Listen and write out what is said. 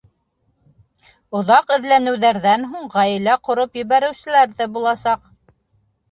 Оҙаҡ эҙләнеүҙәрҙән һуң ғаилә ҡороп ебәреүселәр ҙә буласаҡ.